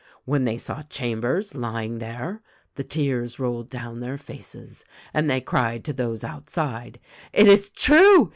When they saw Chambers lying there the tears rolled down their faces and they cried to those outside, 'It is true.